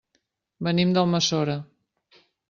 Venim d'Almassora.